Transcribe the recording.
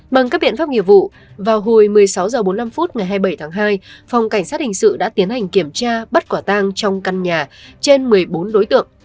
bằng các biện pháp nghiệp vụ vào hồi một mươi sáu h bốn mươi năm ngày hai mươi bảy tháng hai phòng cảnh sát hình sự đã tiến hành kiểm tra bắt quả tang trong căn nhà trên một mươi bốn đối tượng